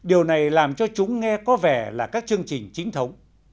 điều này làm cho chúng nghe có vẻ là các chương trình chính thống